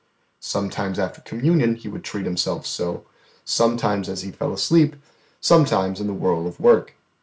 Sometimes after Communion He would treat Him so, sometimes as He fell asleep, sometimes in the whirl of work.